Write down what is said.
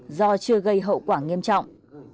bồi thường do chưa gây hậu quả nghiêm trọng